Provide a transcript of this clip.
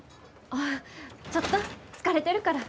あっちょっと疲れてるから。